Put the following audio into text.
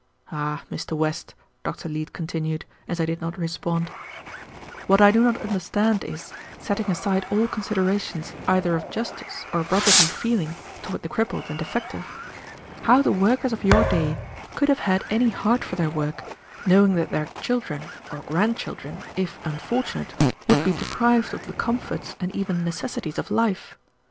"Ah, Mr. West," Dr. Leete continued, as I did not respond, "what I do not understand is, setting aside all considerations either of justice or brotherly feeling toward the crippled and defective, how the workers of your day could have had any heart for their work, knowing that their children, or grand children, if unfortunate, would be deprived of the comforts and even necessities of life.